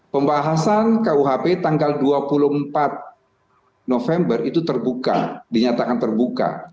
pembahasan kuhp tanggal dua puluh empat november itu terbuka dinyatakan terbuka